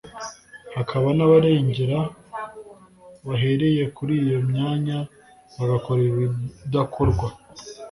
hakaba n’abarengera bahereye kuri iyo myanya bagakora ibidakorwa